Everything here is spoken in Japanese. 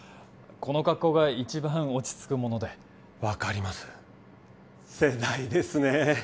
この格好が一番落ち着くもので分かります世代ですねえ